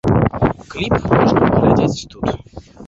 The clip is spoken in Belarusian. Кліп можна паглядзець тут.